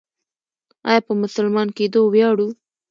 آیا په مسلمان کیدو ویاړو؟